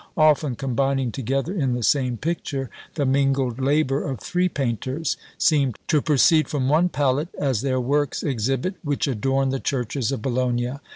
Often combining together in the same picture, the mingled labour of three painters seemed to proceed from one palette, as their works exhibit which adorn the churches of Bologna.